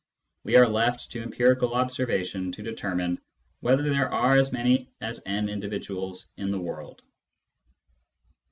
We are left to empirical observation to determine whether there are as many as n individuals in the world.